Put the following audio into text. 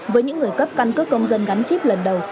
với những người cấp căn cước công dân gắn chip lần đầu